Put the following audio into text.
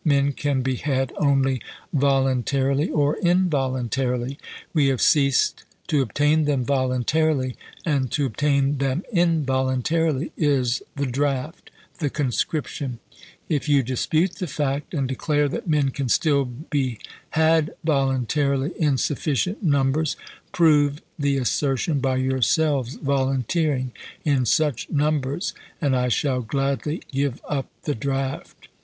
Men can be had only voluntarily or involuntarily. We have ceased to obtain them voluntarily, and to obtain them involuntarily is the draft — the conscription. If you dispute the fact, and declare THE LINCOLN SEYMOUR CORRESPONDENCE 53 that men can still be had voluntarily in sufficient chap. ii. numbers, prove the assertion by yourselves volun teering in such numbers, and I shall gladly give up the draft.